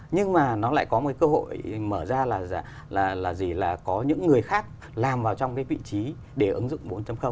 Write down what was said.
nhưng mà nó lại có một cái cơ hội mở ra là có những người khác làm vào trong cái vị trí để ứng dụng bốn